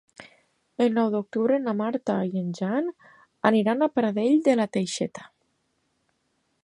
El nou d'octubre na Marta i en Jan aniran a Pradell de la Teixeta.